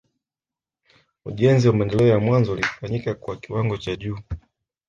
Ujenzi wa maendeleo ya mwanzo ulifanyika kwa kiwango cha juu